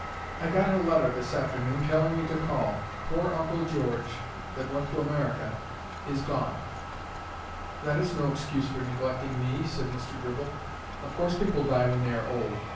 "I got a letter this afternoon telling me to call. Poor Uncle George, that went to America, is gone." "That is no excuse for neglecting me," said Mr. Gribble. "Of course people die when they are old.